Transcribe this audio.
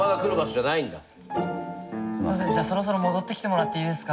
じゃあそろそろ戻ってきてもらっていいですか。